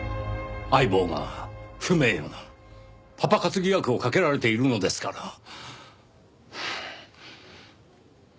相棒が不名誉なパパ活疑惑をかけられているのですから。